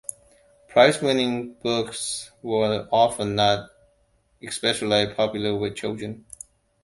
Prize-winning books were often not especially popular with children.